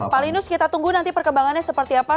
pak linus kita tunggu nanti perkembangannya seperti apa